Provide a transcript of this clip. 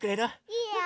いいよ！